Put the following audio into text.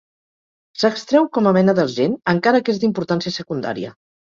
S'extreu com a mena d'argent, encara que és d'importància secundària.